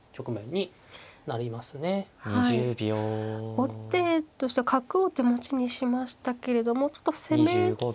後手としては角を手持ちにしましたけれどもちょっと攻めるのが難しいですか。